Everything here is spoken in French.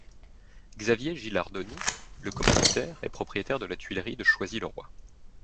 Xavier Gilardoni, le commanditaire, est propriétaire de la tuilerie de Choisy-le-Roi.